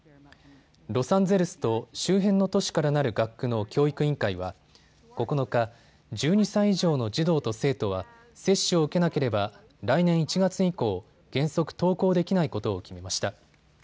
ロサンゼルスと周辺の都市からなる学区の教育委員会は９日、１２歳以上の児童と生徒は接種を受けなければ来年１月以降、原則、登校できないことを決めました。